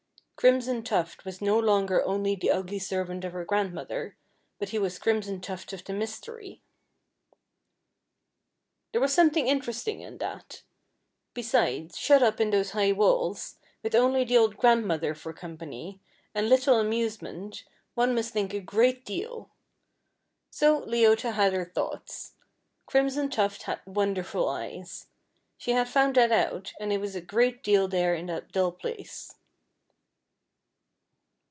Crimson Tuft was no longer only the ugly servant of her grandmother, but he was Crimson Tuft of the mystery. There was something interesting in that; besides, shut up in those high walls, with only the old grandmother for company, and little amusement, one must think a great deal. So Leota had her thoughts. Crimson Tuft had wonderful eyes. She had found that out, and it was a great deal there in that dull place.